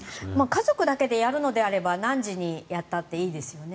家族だけでやるのであれば何時にやったっていいですよね。